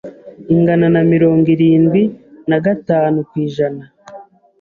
ingana na mirongo irindwi nagatanu kw’ijana